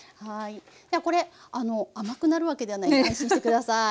でこれ甘くなるわけではないんで安心して下さい。